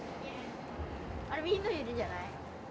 あれみんないるんじゃない？